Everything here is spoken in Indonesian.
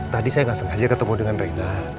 tadi saya nggak sengaja ketemu dengan reina